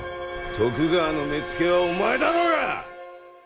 徳川の目付けはお前だろうが！